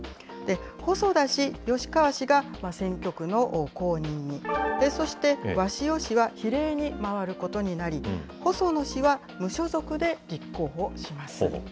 細田氏、吉川氏が選挙区の公認に、そして鷲尾氏は比例に回ることになり、細野氏は無所属で立候補します。